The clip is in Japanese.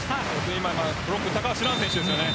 今、ブロック高橋藍選手でしたよね。